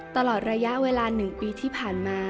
ตลอดระยะเวลา๑ปีที่ผ่านมา